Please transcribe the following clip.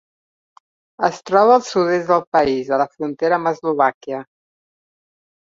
Es troba al sud-est del país, a la frontera amb Eslovàquia.